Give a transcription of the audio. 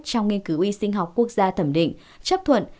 trong nghiên cứu y sinh học quốc gia thẩm định chấp thuận